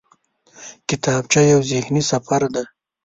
کتابچه یو ذهني سفر دی